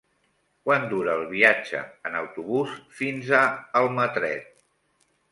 Quant dura el viatge en autobús fins a Almatret?